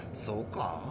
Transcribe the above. そうか？